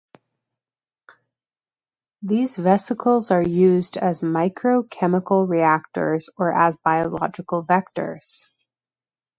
These vesicles are used as micro chemical reactors or as biological vectors.